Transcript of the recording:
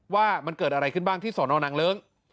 ว่ามันเกิดอะไรขึ้นบ้างที่สอนอนางเลิ้ง